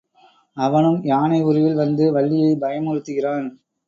அவனும் யானை உருவில் வந்து வள்ளியை பயமுறுத்துகிறான்.